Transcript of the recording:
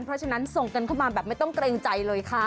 เพราะฉะนั้นส่งกันเข้ามาแบบไม่ต้องเกรงใจเลยค่ะ